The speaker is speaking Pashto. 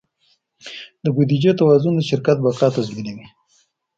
د بودیجې توازن د شرکت بقا تضمینوي.